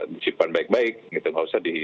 disimpan baik baik gak usah